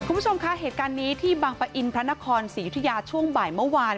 คุณผู้ชมคะเหตุการณ์นี้ที่บังปะอินพระนครศรียุธิยาช่วงบ่ายเมื่อวาน